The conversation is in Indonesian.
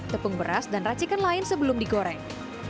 tepung beras dan racikan lain sebelum digoreng